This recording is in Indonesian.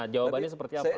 jawabannya seperti apa